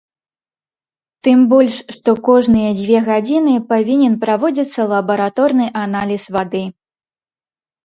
Тым больш што кожныя дзве гадзіны павінен праводзіцца лабараторны аналіз вады.